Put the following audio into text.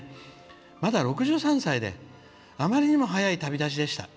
「まだ６３歳で、あまりにも早い旅立ちでした。